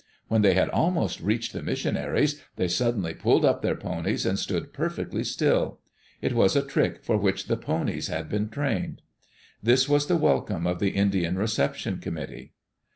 When they had almost reached the missionaries, they suddenly pulled up their ponies and stood perfectly still. It was a trick for which the ponies had been trained. This was the welcome of the Indian reception committee.